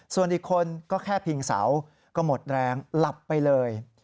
ส่วนอีกคนก็แค่พิงเสาก็หมดแรงหลับไปเลย